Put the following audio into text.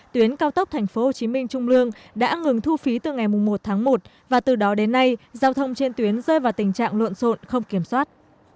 tuyến cao tốc tp hcm trung lương đã ngừng thu phí từ ngày một tháng một và từ đó đến nay giao thông trên tuyến rơi vào tình trạng luận rộn không kiểm soát